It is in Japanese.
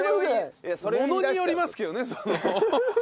ものによりますけどねその。